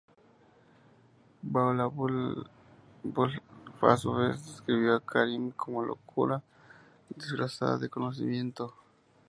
Bahá'u'lláh a su vez, describió a Karim como "locura disfrazada de conocimiento".